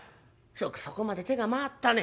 よくそこまで手が回ったね。